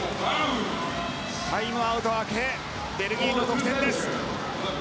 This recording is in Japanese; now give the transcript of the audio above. タイムアウト明けベルギーの得点です。